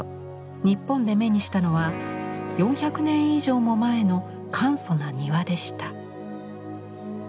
日本で目にしたのは４００年以上も前の簡素な庭でした。